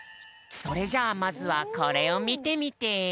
それじゃまずはこれを見てみて！